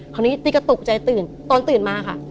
คราวนี้ติ๊กก็ตกใจตื่นตอนตื่นมาค่ะ